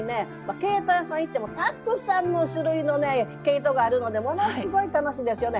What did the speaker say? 毛糸屋さん行ってもたくさんの種類の毛糸があるのでものすごい楽しいですよね。